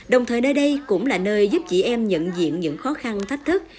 đồng thời nơi đây cũng là nơi giúp chị em nhận diện những khó khăn thách thức